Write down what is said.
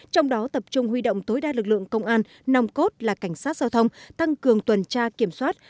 trong đó tập trung huy động tối đa lực lượng công an nòng cốt là cảnh sát giao thông tăng cường tuần tra kiểm soát